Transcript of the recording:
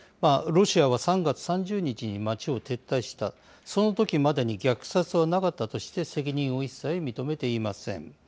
ロシアは３月３０日に町を撤退した、そのときまでに虐殺はなかったとして、責任を一切認めていません。